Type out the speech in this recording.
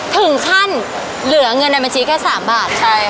ถึงขั้นเหลือเงินในบัญชีแค่๓บาท